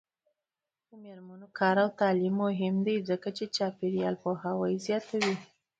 د میرمنو کار او تعلیم مهم دی ځکه چې چاپیریال پوهاوی زیاتوي.